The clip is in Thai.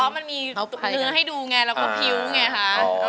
มันมีเนื้อให้ดูไงแล้วก็พิ้วไงคะ